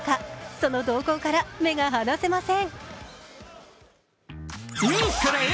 その動向から目が離せません。